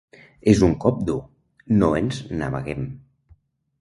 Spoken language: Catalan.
És un cop dur, no ens n’amaguem.